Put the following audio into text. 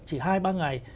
chỉ hai ba ngày